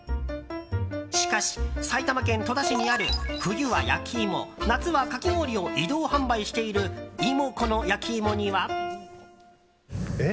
しかし、埼玉県戸田市にある冬は焼き芋夏はかき氷を移動販売しているいも子のやきいもには。